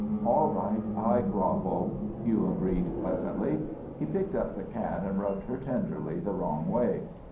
"All right, I grovel," Hugh agreed, pleasantly. He picked up the cat and rubbed her tenderly the wrong way.